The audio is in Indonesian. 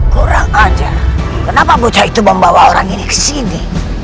kurang aja kenapa bocah itu membawa orang ini ke sini